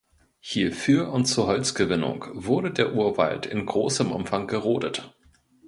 Hierfür und zur Holzgewinnung wurde der Urwald in großem Umfang gerodet.